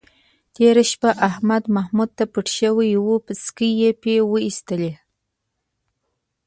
تېره شپه احمد محمود ته پټ شوی و، پسکې یې پې وایستلی.